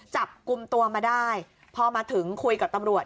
จับกลุ่มตัวมาได้พอมาถึงคุยกับตำรวจ